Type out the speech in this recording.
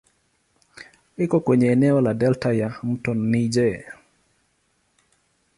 Iko kwenye eneo la delta ya "mto Niger".